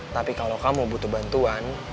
tapi kalau kamu butuh bantuan